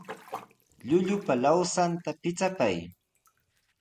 Llullupa lawsanta pichapay.